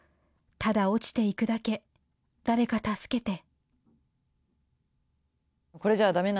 ただ落ちていくだけ誰か助けて」。